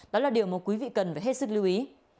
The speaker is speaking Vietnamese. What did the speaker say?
đó là điều mà quý vị cần phải hết sức lưu ý